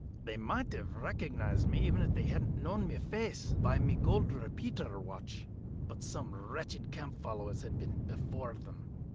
They might have recognised me, even if they hadn't known my face, by my goold repeater watch; but some wretched camp followers had been before them.